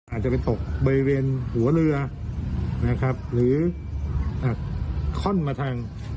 อาจจะจะไปตกเบยเวนหัวเรือนะครับหรืออ่าค่อนมะทัง